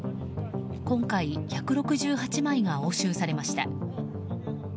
今回、１６８枚が押収されました。